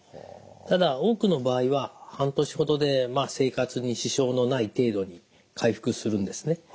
ただ多くの場合は半年ほどでまあ生活に支障のない程度に回復するんですね。